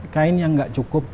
kain yang tidak cukup